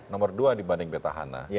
nomor dua dibanding betahana